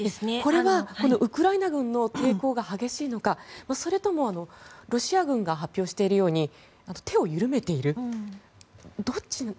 これは、ウクライナ軍の抵抗が激しいのかそれともロシア軍が発表しているように手を緩めているのか。